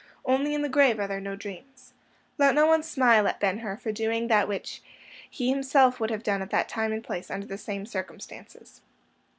Only in the grave are there no dreams. Let no one smile at Ben Hur for doing that which he himself would have done at that time and place under the same circumstances.